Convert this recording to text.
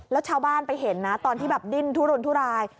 แล้วชาวบ้านไปเห็นนะตอนที่แบบดิ้นทุรนทุราย